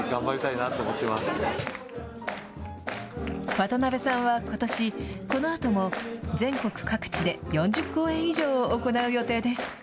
渡辺さんはことし、このあとも全国各地で４０公演以上を行う予定です。